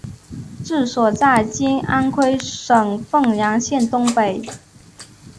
治所在今安徽省凤阳县东北。